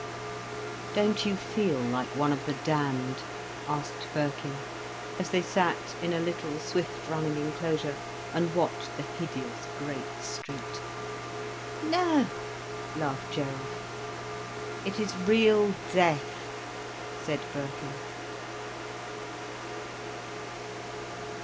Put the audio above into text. "Don't you feel like one of the damned?" asked Birkin, as they sat in a little, swiftly running enclosure, and watched the hideous great street. "No," laughed Gerald. "It is real death," said Birkin.